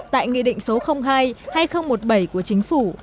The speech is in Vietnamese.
tại nghị định số hai hai nghìn một mươi bảy của chính phủ